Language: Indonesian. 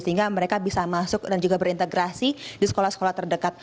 sehingga mereka bisa masuk dan juga berintegrasi di sekolah sekolah terdekat